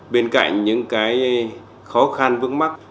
bên cạnh những cái khó khăn vướng mắc